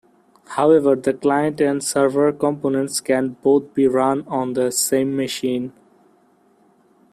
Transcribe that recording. However, the client and server components can both be run on the same machine.